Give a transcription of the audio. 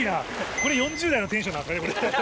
これ４０代のテンションなんですかね。